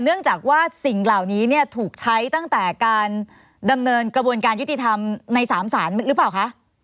เนื่องจากว่าสิ่งเหล่านี้เนี่ยถูกใช้ตั้งแต่การดำเนินกระบวนการยุติธรรมใน๓ศาลหรือเปล่าคะ